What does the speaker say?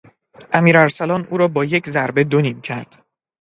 امیر ارسلان او را با یک ضربه دو نیم کرد.